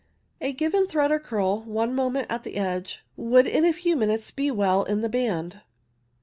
A given thread or curl, one moment at the edge, would in a few minutes be well in the band.